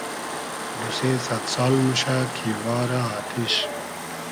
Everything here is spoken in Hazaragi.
دو سې سئد سال موشۂ کی وارۂ آتیش